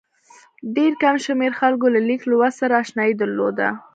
ډېر کم شمېر خلکو له لیک لوست سره اشنايي درلوده.